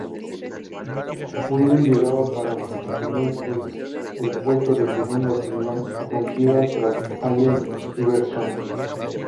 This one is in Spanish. Webber llegaba para asumir el puesto de segunda opción ofensiva tras Allen Iverson.